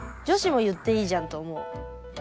女子も言っていいじゃんと思う。